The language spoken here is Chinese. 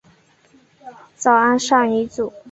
早安少女组。